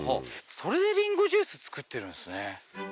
それでりんごジュース作ってるんですね